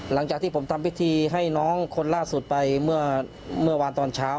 หลังจากที่ผมทำพิธีให้น้องคนล่าสุดไปเมื่อวานตอนเช้า